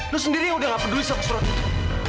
lu sendiri yang udah nggak peduli sama surat itu